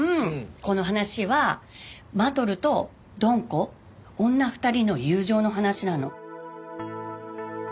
この話はマトルとドン子女２人の友情の話なの。